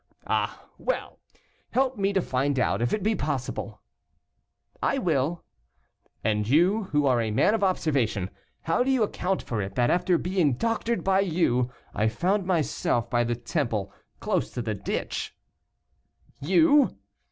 "Ah, well! help me to find out, if it be possible." "I will." "And you, who are a man of observation, how do you account for it, that after being doctored by you, I found myself by the Temple, close to the ditch." "You!"